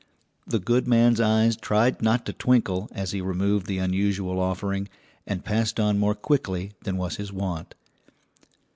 The good man's eyes tried not to twinkle as he removed the unusual offering, and passed on more quickly than was his wont.